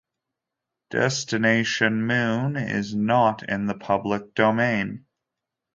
"Destination Moon" is not in the public domain.